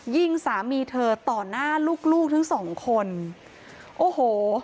ยิงสามีเธอต่อหน้าลูกลูกทั้งสองคนโอ้โห